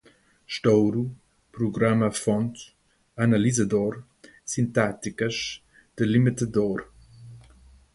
estouro, programa-fonte, analisador, sintáticas, delimitador